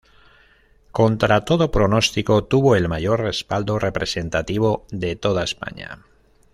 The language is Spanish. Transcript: Contra todo pronóstico, tuvo el mayor respaldo representativo de toda España.